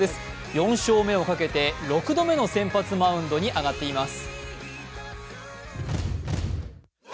４勝目をかけて６度目の先発マウンドに上がっています。